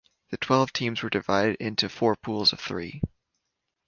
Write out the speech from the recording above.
The twelve teams were divided into four pools of three.